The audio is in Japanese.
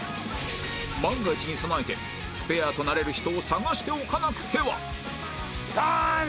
万が一に備えてスペアとなれる人を探しておかなくては！